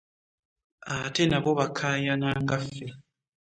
Ate nabo bakaayana nga ffe?